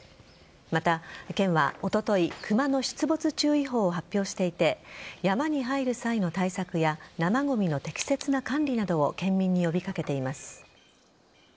また、県はおとといクマの出没注意報を発表していて山に入る際の対策や生ごみの適切な管理などを県民に呼び掛けています。